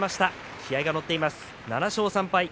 気合いが乗っています、７勝３敗。